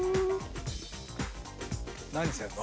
何してんの？